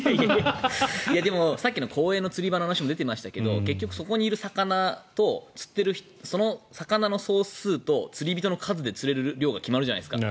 でもさっきの釣り場も出ていましたが結局、そこにいる魚とその魚の総数と釣り人の数で釣れる量が決まるじゃないですか。